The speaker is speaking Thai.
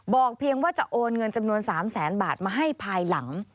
เพียงว่าจะโอนเงินจำนวน๓แสนบาทมาให้ภายหลัง